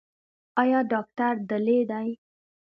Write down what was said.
ایا ډاکټر دلې دی؟